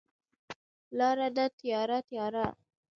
لاره ده تیاره، تیاره